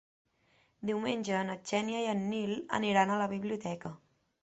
Diumenge na Xènia i en Nil aniran a la biblioteca.